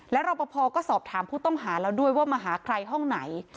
รอปภก็สอบถามผู้ต้องหาแล้วด้วยว่ามาหาใครห้องไหน